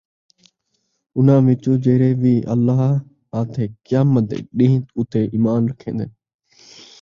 انھاں وِچوں جِہڑے وِی اللہ اَتے قیامت دے ݙین٘ہ اُتے ایمان رکھیندن،